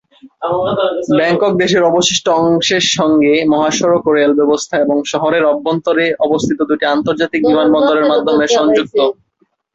Bangkok দেশের অবশিষ্ট অংশের সঙ্গে মহাসড়ক ও রেল ব্যবস্থা এবং শহরের অভ্যন্তরে অবস্থিত দুটি আন্তর্জাতিক বিমানবন্দরের মাধ্যমে সংযুক্ত।